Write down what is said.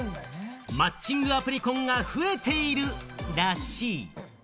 マッチングアプリ婚が増えているらしい。